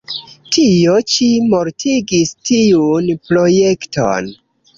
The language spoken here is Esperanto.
Tio ĉi mortigis tiun projekton.